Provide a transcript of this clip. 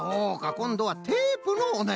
こんどはテープのおなやみか！